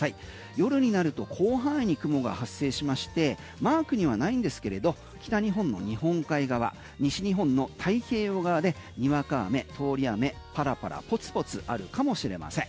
夜になると広範囲に雲が発生しましてマークにはないんですけれど北日本の日本海側西日本の太平洋側でにわか雨、通り雨パラパラポツポツあるかもしれません。